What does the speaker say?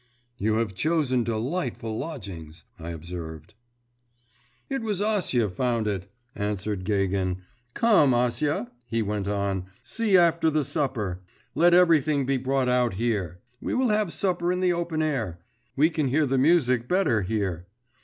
'You have chosen delightful lodgings,' I observed. 'It was Acia found it,' answered Gagin; 'come, Acia,' he went on, 'see after the supper. Let everything be brought out here. We will have supper in the open air. We can hear the music better here.